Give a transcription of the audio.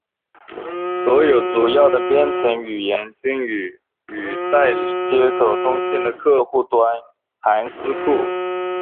所有主要的编程语言均有与代理接口通讯的客户端函式库。